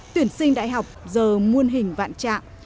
tuyển sinh đại học giờ muôn hình vạn trạng